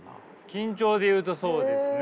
緊張でいうとそうですね。